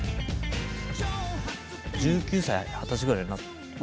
１９歳二十歳ぐらいになって。